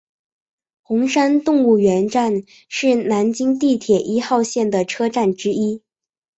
红山动物园站是南京地铁一号线的车站之一。